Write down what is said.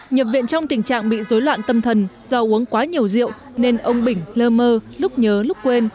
nhập viện trong tình trạng bị dối loạn tâm thần do uống quá nhiều rượu nên ông bỉnh lơ mơ lúc nhớ lúc quên